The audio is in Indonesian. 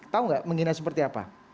tahu nggak menghina seperti apa